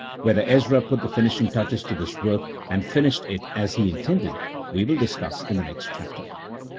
Whether Ezra put the finishing touches to this work and finished it as he in tended, we will discuss in the next chapter.